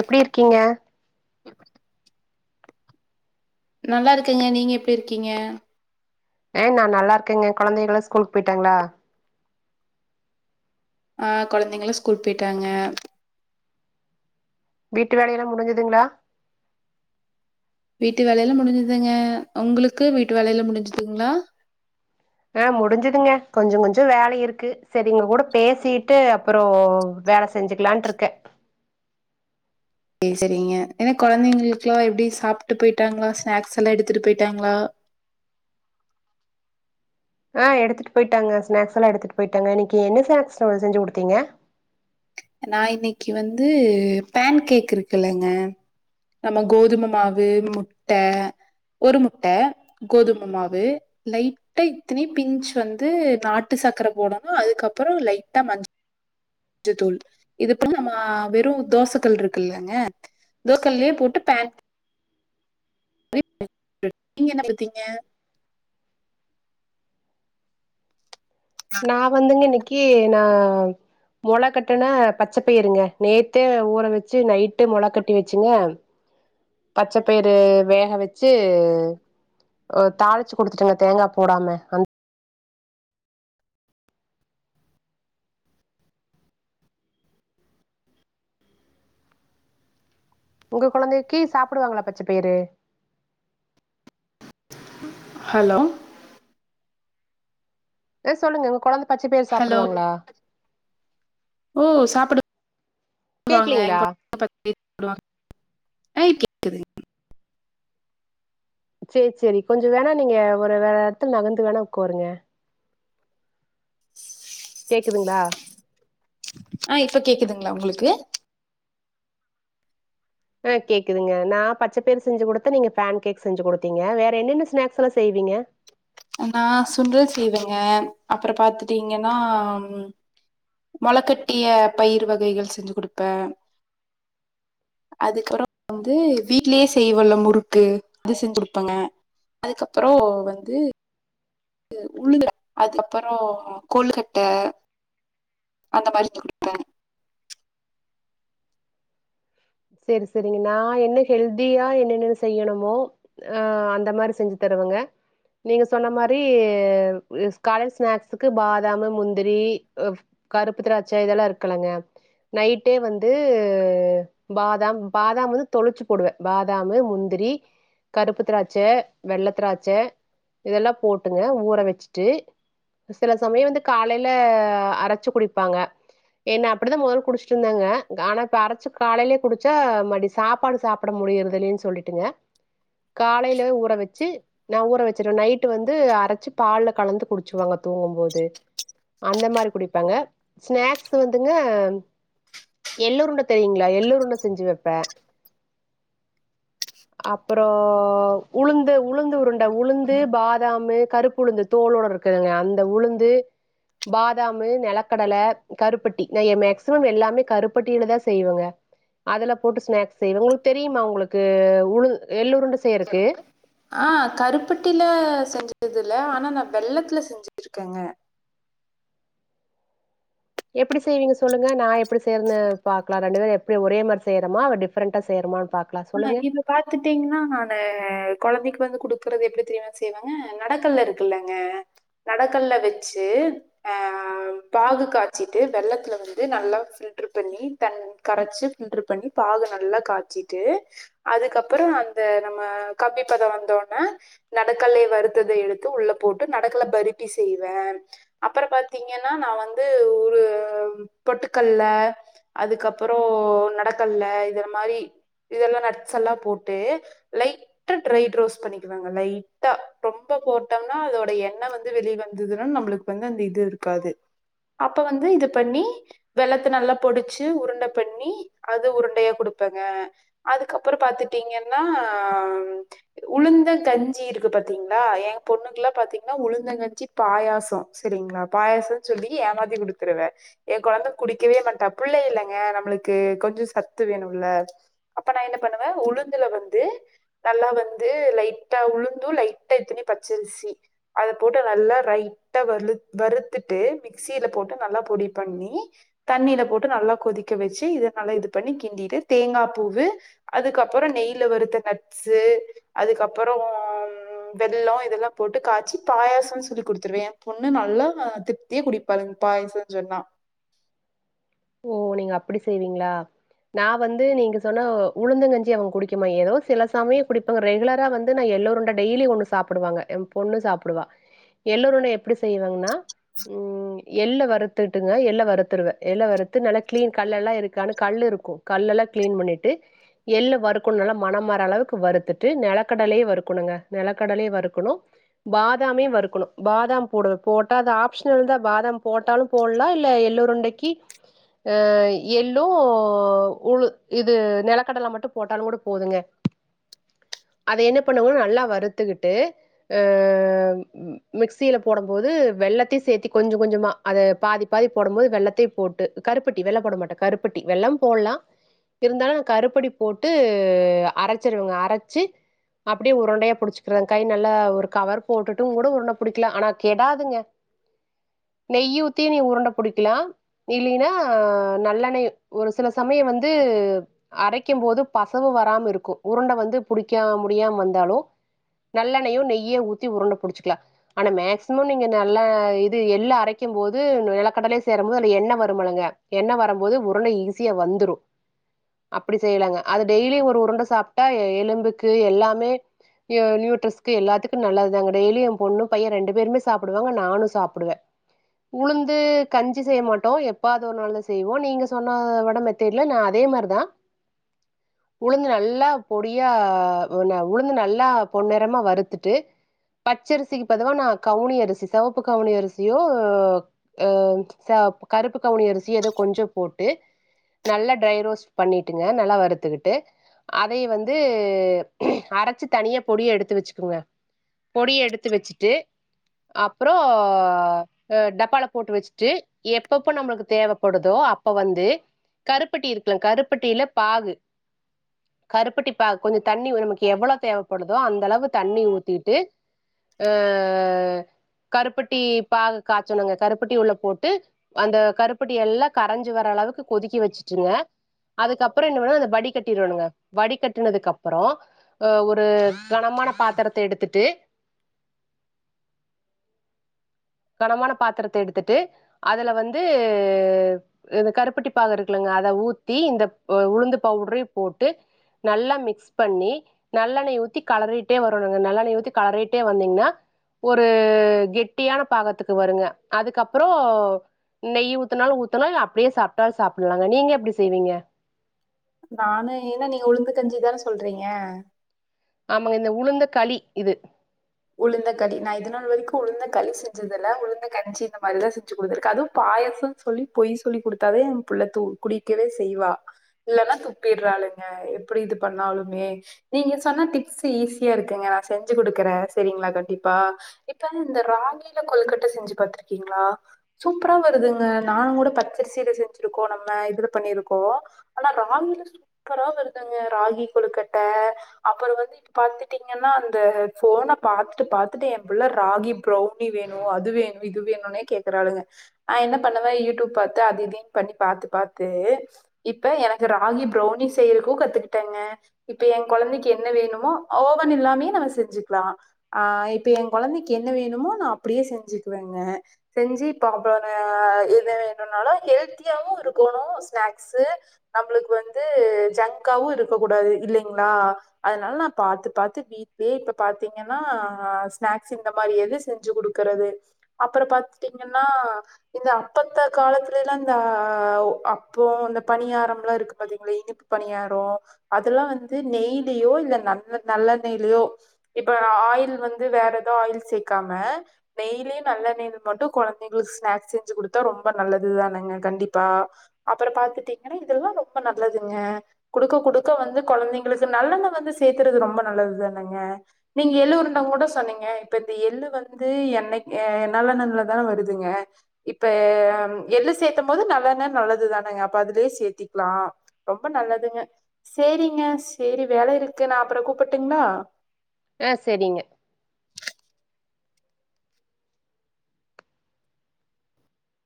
எப்டி இருக்கீங்க இரு நல்லாருக்கங்க நீங்க எப்டியிருக்கிங்க ஆ நா நல்லா இருக்கேங்க குழந்தைகள ஸ்கூலுக்கு போயிட்டாங்களா ஆ குழந்தைங்கல்லா ஸ்கூளுக்கு போயிட்டாங்க வீட்டு வேலையெல்லா முடிஞ்சுதுங்களா வீட்டு வேலையில முடிஞ்சுதுங்க உங்களுக்கு வீட்டு வேலையில முடிஞ்சுதுங்களா ஆ முடிஞ்சுதுங்க கொஞ்ச கொஞ்ச வேலை இருக்கு சரி உங்க கூட பேசிட்டு அப்றோ வேலை செ செஞ்சுக்கலான்டுருக்க சரி சரிங்க ஏன்னா கொழந்தைங்களுக்குல்லா எப்டி சாப்ட்டு போயிட்டாங்களா ஸ்நாக்ஸ் எல்லா எடுத்துட்டு போயிட்டாங்களா ஆ எத்துட்டு போயிட்டாங்க ஸ்னாக்ஸ் எல்லா எத்துட்டு போயிட்டாங்க இன்னைக்கு என்ன ஸ்னாக்ஸ்ங்க செஞ்சு குடுத்தீங்க நா இன்னைக்கு வந்து பேன் கேக் இருக்குலங்க நம்ம கோதும மாவு முட்ட ஒரு முட்ட கோதும மாவு லைட்டா இத்தினி பிஞ்சு வந்து நாட்டு சாக்கர போடணு அதுக்கப்புற லைட்டா மஞ் ச தூள் [unintelligible] நம்ம வெறு தோச கல் இருக்கல்லங்க தோ கல்லயே போட்டு பேன் [unintelligible] நீங்க என்ன பத்தீங்க நா வந்துங்க இன்னக்கி நா மொள கட்டுன பச்ச பயிருங்க நேதே ஊற வச்சு நைட்டு மொள கட்டி வச்சுங்க பச்சப்பயிரு வேக வச்சு தாளிச்சு குடுதுட்ங்க தேங்கா போடாம அந் உங்க கொழந்தைக்கு சாப்டுவாங்களா பச்ச பயிறு ஹலோ அ சொல்லுங்க உங்க கொழந்த பச்ச பயிறு சாப்டுவாங்களா ம் சாப்புடு வாங்க கேக்கலீங்களா என் [unintelligible] [unintelligible] செ செரி கொஞ்ச வேணா நீங்க ஒரு வேற எடத்துல நகந்து வேணா உட்காருங்க கேக்குதுங்களா ஆ இப்ப கேக்குதுங்களா உங்களுக்கு ஆ கேக்குதுங்க நா பச்ச பயிறு செஞ்சு குடுத்தா நீங்க பேன் கேக் செஞ்சு குடுத்தீங்க வேற என்னென்ன ஸ்நாக்ஸ்ல்லா செய்வீங்க நா சுன்டல் செய்வேங்க அப்பற பாத்துட்டீங்கன்னா ம் மொளக்கட்டிய பயிரு வகைகள் செஞ்சு குடுப்ப அதுக்கப்றோ வந்து வீட்லே செய்வோல்ல முறுக்கு அது செஞ்சு குடுப்பங்க அதுக்கப்பறோ வந்து [unintelligible] உளுந்துட அதுக்கப்பறோ கொழுக்கட்ட அந்த மாரி [unintelligible] குடுத்த சேரி சேரிங்கன்ன நா என்ன ஹெல்தியா என்னென்ன செய்யணுமோ ஆ அந்த மாரி செஞ்சு தருவங்க நீங்க சொன்ன மாரி கால ஸ்நாக்ஸ்க்கு பாதம்மு முந்திரி கருப்பு திராட்ச இதல்லா இருக்கலங்க நைட்டே வந்து பாதாம் பாதாம் வந்து தொளச்சு போடுவ பாதாம்மு முந்திரி கருப்பு திராட்ச வெள்ள திராட்ச இதல்லா போட்டுங்க ஊற வச்சுட்டு சில சமய வந்து காலைல அரச்சு குடிப்பாங்க ஏன்ன அப்டிதா மொதல குடிச்சிட்ருந்தங்க ஆனா இப்ப அரச்சு காலைலே குடிச்சா மடி சாப்பாடு சாப்பட முடியர்தில்லன் சொல்லிட்டுங்க காலைல ஊற வச்சு நா ஊற வச்சிருவ நைட்டு வந்து அரச்சு பால்ல கலந்து குடிச்சுவாங்க தூங்கும் போது அந்த மாரி குடிப்பாங்க ஸ்நாக்ஸ் வந்துங்க எள்ளூருண்ட தெரியுங்களா எள்ளூருண்ட செஞ்சு வைப்ப அப்பறோ உளுந்து உளுந்து உருண்ட உளுந்து பாதாம்மு கருப்புளுந்து தோலோடருக்குதுங்க அந்த உளுந்து பாதாமு நெலக்கடல கருப்பட்டி நா ஏ மேக்சிமம் எல்லாமே கருப்பட்டில தா செய்வங்க அதுல போட்டு ஸ்நாக்ஸ் செய்வ உங்ளுக் தெரிமா உங்களுக்கு உளுந் எல்லூருண்ட கருப்பு ஆ கருப்பட்டில செஞ்சதுல ஆனா நா வெள்ளத்துல செஞ்சுருக்கங்க எப்டி செய்வீங்க சொல்லுங்க நா எப்டி சேய்றன்னு பாக்கலா ரெண்டு பேரு எப்டி ஒரே மாரி செய்ரோமா இல்ல டிஃப்ரண்டா செய்ரோமான் பாக் ஆ இது பாத்துகிட்டீங்கன்னா நானு கொழந்தைக்கு வந்து குடுக்குறது எப்டி தெரிமா செய்வங்க நெடக்கல்ல இருக்குல்லங்க நெடக்கல்ல வச்சு அ பாகு காய்சிட்டு வெள்ளத்துல வந்து நல்லா பில்டர் பண்ணி தன் கரைச்சு பில்டர் பண்ணி பாகு நல்லா காய்சி ட்டு அதுக்கப்பறோ அந்த நம்ம கம்பி பதம் வந்தோனே நடக்கல்லயே வருத்ததை எடுத்து உள்ள போட்டு நெடக்கல்ல பருபி செய்வே அப்பறம் பாத்தீங்கன்னா நா வந்து ஒரு பொட்டுக்கல்ல அதுக்கப்பறோ நடக்கல்ல இது மாரி இதெல்லாம் நட்ஸ் எல்லாம் போட்டு லைக் லைட்டா ட்ரைரோஸ்ட் பண்ணிக்கணுங்க லைட்டா ரொம்ப போட்டோம்னா அதோட எண்ண வந்து வெளி வந்ததுன நம்பளு வந்து அந்த இது இருக்காது அப்ப வந்து இது பண்ணி வெள்ளத்த நல்லா பொடிச்சு உருண்டை பண்ணி அது உருண்டையா குடுப்பேங்க அதுக்கப்பறம் பாத்துட்டீங்கன்னா ஆ உளுந்தங்கஞ்சி இருக்கு பாத்தீங்களா ஏ பொண்ணுக்குல்லாம் பாத்தீங்கன்னா உளுந்தங்கஞ்சி பாயாசம் சரிங்களா பாயாசம்னு சொல்லி ஏமாத்தி குடுக்கறவ ஏ கெழந்த குடிக்கவே மாட்டா பிள்ளை இல்லைங்க நம்மளுக்கு கொஞ்சம் சத்து வேணும்ல அப்ப நா என்ன பண்ணுவேன் உளுந்துல வந்து நல்லா வந்து லைட்டா உளுந்தும் லைட்டா எத்தனி பச்சரிசி அத போட்டு நல்லா ரைட்டா வலு வறுத்துட்டு மி மிக்சில போட்டு நல்லா பொடி பண்ணி தண்ணியில போட்டு நல்லா கொதிக்க வச்சு இதை நல்லா இது பண்ணி கிண்டிட்டு தேங்கா பூவு அதுக்கப்றோ நெய்ல வருத்த நட்ஸு அதுக்கப்பறோம் வெள்ளோ இதெலாம் போட்டு காய்ச்சி பாயாசோன் சொல்லி குடுத்துருவே ஏ பொண்ணு நல்லா த் ருத்தியா குடிப்பாலுங் பாயோசோன் சொன்னா ஓ நீங்க அப்டி செய்வீங்ளா நா வந்து நீங்க சொன்ன உளுந்தங்கஞ்சி அவிங் குடிக்குமா ஏதோ சில சமயோ குடிப்பாங்கோ ரெகுலரா வந் து எல்லோருண்ட டெய்லி ஒண்ணு சாப்டுவாங்க ஏ பொண்ணு சாப்டுவா எல்லுருண்ட எப்டி செய்வாங்னா ம் எள்ள வறுத்துட்டுங்க எள்ள வறுத்துருவே எல்ல வறுத் து நல்லா கிளீன் கல்லலா இருக்கானு கல்லு இருக்கு கல்லலா கிளீன் பண்ணிட்டு எள்ளெ வறுக்குணு நல்லா மனம் வர அளவுக்கு வறுத்துட்டு நெலக்கடலயே வறுக்கணுங்க நெலக்கடலயே வறுக்குணு பாதாமே வறுக்கணு பாதாம் போடுவ போட்டா அது ஆப்ஷ்னல் தா பாதாம் போட்டாலும் போல்லா இல்ல எள்ளுறண்டைக்கி அ எள்ளு உழு இது நெலக்கடல மட்டும் போட்டாலுங்கூடே போதுங்க அத என்ன பண்ணுவு நல்லா வருத்துக்கிட்டு அ மிக்சில போடம் போது வெள்ளத்திசேத்தி கொஞ்சோ கொஞ்சோமா அத பாதி பாதி போடும் போது வெள்ளத்தியு போட் டு கருப்பட்டி வெள்ளோ போட மாட்டே கருப்பட்டி வெள்ளம் போல்லா இருந்தாலு நா கருப்பட்டி போட்டு அரைச்சிடுவுங்க அரச்சி அப்டியே உருண்டையா புடிச்சுக்குறே கை நல்லா ஒரு கவர் போட்டுட்டு உ கூட உருண்ட புடிக்லா ஆனா கெடாதுங்க நெய்யூத்தியூ நீ உருண்ட புடிக்கலா இல்லினா நல்லெண்ணையு ஒரு சில சமயோ வந்து அரைக்கும் போது பசவு வராம இருக்கோ உருண்ட வந்து புடிக்க முடியாம வந்தாலோ நல்லெண்ணையு நெய்யுயோ ஊத்தி உருண்ட புடிச்சுக்லா ஆனா மேக்சிமம் நீங்க நல்லா இது எள்ள அரைக்கும் போது நிலக்கடலயு சேரும் போது இப்ப எண்ண வரும்பலுங்க எண்ண வரும்போது உருண்ட ஈஸியா வந்துரு அப்டி செய்லாங்க அது டெய்லியு ஒரு உருண்ட சாப்டா எலும்புக்கு எல்லாமே யோ நியூட்ரஸ்கு எல்லாத்துக்கும் நல்லது தாங்க டெய்லியோ எம் பொண்ணு பைய ரெண்டு பேருமே சாப்டுவாங்க நானு சாப்டுவே உளுந்து கஞ்சி செய்ய மாட் டோ எப்பாவுது ஒரு நாள் தா செய்வோ நீங்க சொன்ன வட மெத்தட்ல நா அதே மாரிதா உளுந்து நல்லா பொடியா உளுந்து நல்லா பொன் நெரமா வருத்துட்டு பச்சரிசிக்கு பதுவா நா கவுனி அரிசி செவப்பு கவுனி அரிசியோ அ ச கருப்பு கவுனி அரிசி ஏதோ கொஞ்சோ போட்டு நல்லா ட்ரை ரோஸ்ட் பண்ணிட்டுங்க நல்லா வறுத்துக்கிட்டு அதை வந்து அரச்சி தனியா பொடியா எடுத்து வெச்சுக்கங்க பொடிய எடுத்து வெச்சுட்டு அப்றோ ஆ டப்பால போட்டு வெச்சுட்டு எப்பப்போ நம்ளுக்கு தேவப்படுதோ அப்போ வந்து கருப்பட்டி இருக்குல கருப்பட்டில பாகு கருப்பட்டி பாகு கொஞ்சோ தண்ணி நமக்கு எவ்ளோ தேவப்படுதோ அந்த அளவு தண்ணி ஊத்திட்டு ஆ கருப்பட்டி பாகு காய்ச்சனுங்க கருப்பட்டி உள்ள போட்டு அந்த கருப்பட்டி எல்லா கரைஞ்சு வர அளவுக்கு கொதிக்க வெச்சுட்டுங்க அதுக்கப்றோ என்ன பண்ணனுனா அத வடி கட்டிடுவேனுங்க வடி கட்டினதுக்கப்றோ அ ஒரு கனமான பாத்திரத்த எடுத்துட்டு கனமான பாத்திரத்த எடுத்துட்டு அதுல வந்து இந்த கருப்பட்டி பாகு இருக்குலங்க அத ஊத்தி இந்த உளுந்து பவுடரையும் போட்டு நல்லா மிக்ஸ் பண்ணி நல்லெண்ணெய ஊத்தி கலறிட்டே வரணுங்க நல்லெண்ணெய ஊத்தி கலறிட்டே வந்தீங்னா ஒரு கெட்டியான பாகத்துக்கு வருங்க அதுக்கப்றோ நெய் ஊத்தனாலு ஊத்தலா இல்ல அப்டியே சாப்ட்டாலும் சாப்டலாங்க நீங்க எப்டி செய்வீங்க நானு ஏனா நீங்க உளுந்து கஞ்சிதானே சொல்றீங்க ஆமாங்க இந்த உளுந்த களி இது உளுந்த களி நா இது நா வரைக்கும் களி செஞ்சதுல்ல உளுந்த கஞ்சி இந்த மாரிதா செஞ்சு குடுத்துருக்கே அதுவும் பாயசம் சொல்லி பொய் சொல்லி குடுத்தா தான் குடிக்கவே செய்வா இல்லன்னா துப்பிடுறாளுங்க எப்டி இது பண்ணாலுமே நீங்க சொன்ன டிப்ஸ் ஈஸியா இருக்குங்க நா செஞ்சு குடுக்குறே செரிங்களா கண்டிப்பா இப்ப இந்த ராகில கொல்கட்டை செஞ்சு பாத்துருக்கீங்களா சூப்பரா வருதுங்க நானும் கூட பச்சரிசீல செஞ்சுருக்கோம் நம்ம இதுல பண்ணிருக்கோ ஆனா ராகில சூப்பரா வருதுங்க ராகி கொழுக்கட்டை அப்றோ வந்து இப்ப பாத்துட்டீங்கன்னா அந்த சோன பாத்துட்டு பாத்துட்டு என் புள்ள ராகி பிரவுனி வேணும் அது வேணும் இது வேணும்னே கேக்குறாளுங்க ஆ என்ன பண்ணுவே யூடியூப் பாத்து அது இதுனு பண்ணி பாத்து பாத்து இப்ப எனக்கு ராகி பிரவுனி செய்றதுக்கும் கத்துக்கிட்டேங்க இப்ப என் கொழந்தைக்கு என்ன வேணுமோ ஓவன் இல்லாமே நம்ம செஞ்சுக்கலாம் ஆ இப்ப என் கொழந்தைக்கு என்ன வேணுமோ நா அப்டியே செஞ்சுக்குவேங்க செஞ்சு பாப்பேனுங்க எது வேணும்னாலும் ஹெல்த்தியாவும் இருக்கணும் ஸ்நாக்ஸ்சு நம்மளுக்கு வந்து ஜங்காவும் இருக்க கூடாது இல்லங்களா அதனால நா பாத்து பாத்து வீட்லயே இப்ப பாத்தீங்கன் னா ஸ்நாக்ஸ் இந்த மாரி எது செஞ்சு குடுக்குறது அப்றோ பாத்துட்டீங்கன்னா இந்த அப்பத்தா காலத்துல எல்லா இந்த அப்போம் இந்த பணியாரம் எல்லா இருக்கு பாத்தீங்களா இனிப்பு பணியாரோ அதெல்லா வந்து நெய்லயோ இல்ல நல்ல எண்ணெய்லயோ இப்ப ஆயில் வந்து வேற எதோ ஆயில் சேக்காம நெய்லயு நல்ல நெய் மட்டும் கொழந்தைங்களுக்கு ஸ்நாக்ஸ் செஞ்சு குடுத்தா ரொம்ப நல்லது தானுங்க கண்டிப்பா அப்றோ பாத்துட்டீங்கன்னா இதெல்லா ரொம்ப நல்லதுங்க குடுக்க குடுக்க வந்து கொழந்தைங்களுக்கு நல்லெண்ண வந்து சேக்கிறது ரொம்ப நல்லதுதானுங்க நீங்க எள்ளு உண்டவங்க கூட சொன்னீங்க இப்ப இந்த எள்ளு வந்து என்ன என்னால வருதுலதானே வருதுங்க இப்ப எள்ளு சேர்த்தும் போது நல்லெண்ண நல்லதுதானங்க அப்ப அதுலயே சேத்திக்கலா ரொம்ப நல்லதுங்க சேரிங்க சேரி வேலை இருக்கு நா அப்பறம் கூப்பட்டுங்ளா ஆ செரிங்க